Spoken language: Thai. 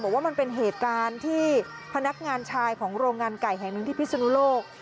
บอกว่ามันเป็นเหตุการณ์ที่พนักงานชายของโรงงานไก่แห่งหนึ่งที่พิศนุโลก